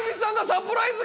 サプライズ